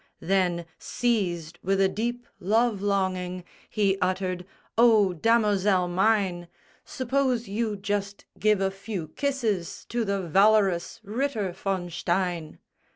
Then, seized with a deep love longing, He uttered, "O damosel mine, Suppose you just give a few kisses To the valorous Ritter von Stein!"